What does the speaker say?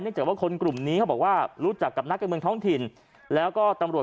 จากว่าคนกลุ่มนี้เขาบอกว่ารู้จักกับนักการเมืองท้องถิ่นแล้วก็ตำรวจ